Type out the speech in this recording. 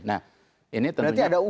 nah ini tentunya problem